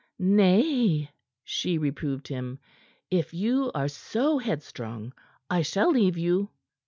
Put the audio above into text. "Nay," she reproved him. "If you are so headstrong, I shall leave you."